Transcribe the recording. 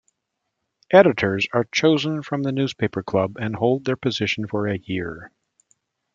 Editors are chosen from the newspaper club, and hold their position for a year.